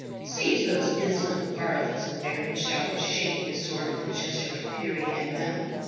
"Seize those insolent varlets!" the baron shouted, shaking his sword with a gesture of fury at them.